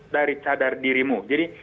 dari cadar dirimu jadi